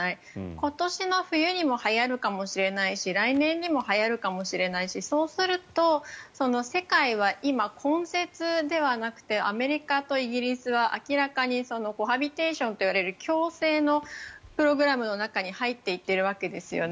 今年の冬にもはやるかもしれないし来年にもはやるかもしれないしそうすると世界は、今根絶ではなくてアメリカとイギリスは明らかに共生のプログラムの中に入っていっているわけですよね。